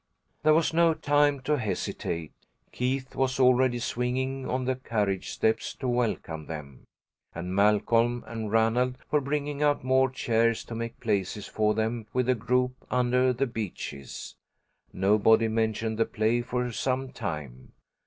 There was no time to hesitate. Keith was already swinging on the carriage steps to welcome them, and Malcolm and Ranald were bringing out more chairs to make places for them with the group under the beeches. Nobody mentioned the play for some time.